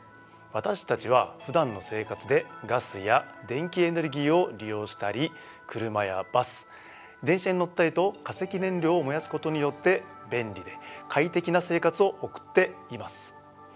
私たちは普段の生活でガスや電気エネルギーを利用したり車やバス電車に乗ったりと化石燃料を燃やすことによって便利で快適な生活を送っています。